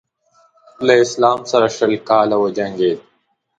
له اسلام سره شل کاله وجنګېد.